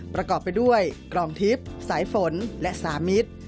ประกอบไปด้วยกรองทิพย์สายฝนและสามิตร